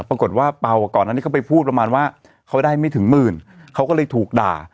ปรากฏว่าเปล่าก่อนอันนี้เขาไปพูดประมาณว่าเขาได้ไม่ถึงหมื่นเขาก็เลยถูกด่า